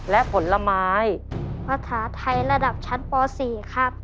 และผลไม้ภาษาไทยระดับชั้นป๔ครับ